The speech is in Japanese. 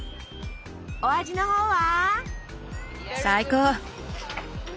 お味のほうは？